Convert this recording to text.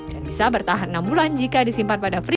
dan bisa bertahan enam bulan jika disimpan pada frisbee